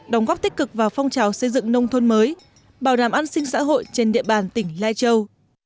đóng góp tích cực vào phong trào xây dựng nông thôn mới bảo đảm an sinh xã hội trên địa bàn tỉnh lai châu